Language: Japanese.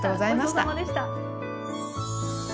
ごちそうさまでした。